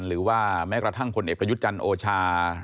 หรือว่าแม้กระทั่งพลเอกประยุทธ์จันทร์โอชา